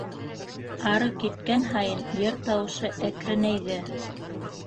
Ары киткән һайын йыр тауышы әкренәйҙе.